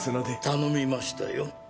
頼みましたよ